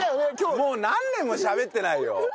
もう何年もしゃべってないよ。